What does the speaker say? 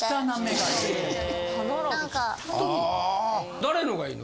誰のがいいの？